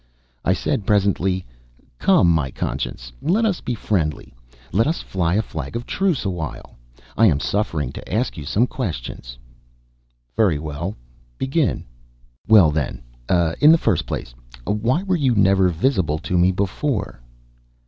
I said, presently: "Come, my Conscience, let us be friendly. Let us fly a flag of truce for a while. I am suffering to ask you some questions." "Very well. Begin." "Well, then, in the first place, why were you never visible to me before?"